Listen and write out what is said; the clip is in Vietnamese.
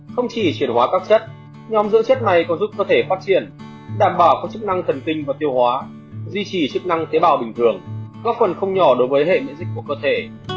không chỉ chuyển hóa các chất nhóm dưỡng chất này còn giúp cơ thể phát triển đảm bảo có chức năng thần kinh và tiêu hóa duy trì chức năng tế bào bình thường góp phần không nhỏ đối với hệ miễn dịch của cơ thể